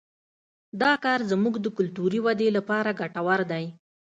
دا کار زموږ د کلتوري ودې لپاره ګټور دی